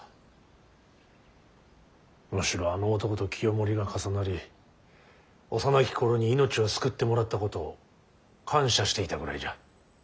むしろあの男と清盛が重なり幼き頃に命を救ってもらったことを感謝していたぐらいじゃ。